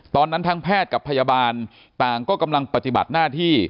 ตอนนั้นทางแพทย์กับพยาบาลต่างก็กำลังประจิบัติน่าที่